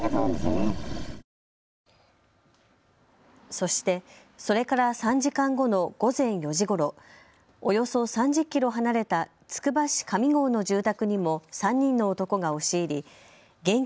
そして、それから３時間後の午前４時ごろ、およそ３０キロ離れたつくば市上郷の住宅にも３人の男が押し入り現金